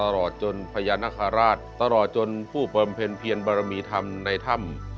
ตลอดจนพระอาณาคฤราชตลอดจนผู้ปลอมเพล็นนภรรมีธรรมในถ้ำ